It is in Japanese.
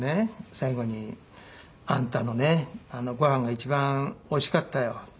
最後に「あんたのねご飯が一番おいしかったよ」。